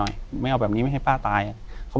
อยู่ที่แม่ศรีวิรัยยิวยลครับ